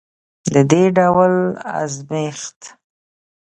د دې ډول ازمیښت